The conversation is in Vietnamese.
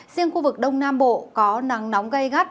riêng khu vực đông nam bộ có nắng nóng gây gắt